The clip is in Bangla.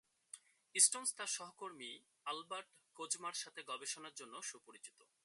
স্টোনস তার সহকর্মী আলবার্ট কোজমার সাথে গবেষণার জন্য সুপরিচিত।